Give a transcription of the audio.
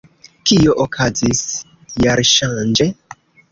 Kio okazis jarŝanĝe?